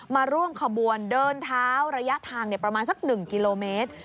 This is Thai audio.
มาร่วมขบวนเดินเท้าระยะทางประมาณสัก๑กิโลเมตร